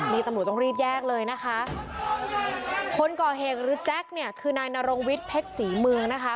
นี่ตำรวจต้องรีบแยกเลยนะคะคนก่อเหตุหรือแจ๊คเนี่ยคือนายนรงวิทย์เพชรศรีเมืองนะคะ